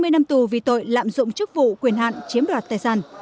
hai mươi năm tù vì tội lạm dụng chức vụ quyền hạn chiếm đoạt tài sản